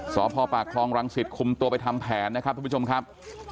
สพปากคลองรังสิตคุมตัวไปทำแผนนะครับทุกผู้ชมครับ